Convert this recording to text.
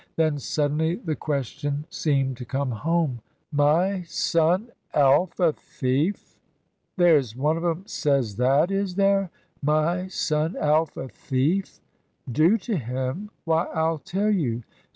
Then suddenly the question seemed to come home. "My son Alf a thief? There's one of 'em says that, is there? My son Alf a thief? Do to him! Why, I'll tell you.